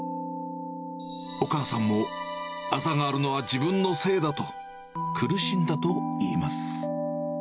お母さんもあざがあるのは自分のせいだと苦しんだといいます。